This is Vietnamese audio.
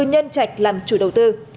nhân trạch làm chủ đầu tư